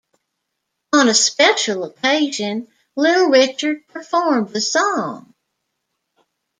On a special occasion, Little Richard performed the song.